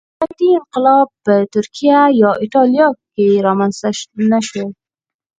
صنعتي انقلاب په ترکیه یا اېټالیا کې رامنځته نه شو